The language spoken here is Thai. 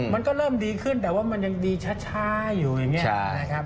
มันก็เริ่มดีขึ้นแต่ว่ามันยังดีช้าอยู่อย่างนี้นะครับ